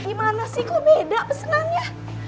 di mana sih kok beda pesenannya